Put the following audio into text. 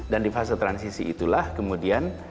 dan di fase transisi itulah kemudian